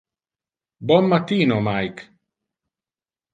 Bon matino, Mike.